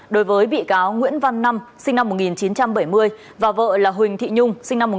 đối với bị cáo nguyễn văn năm và vợ là huỳnh thị nhung